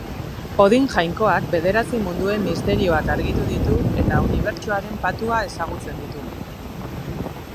Odin jainkoak bederatzi munduen misterioak argitu ditu eta unibertsoaren patua ezagutzen ditu.